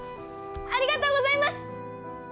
ありがとうございます！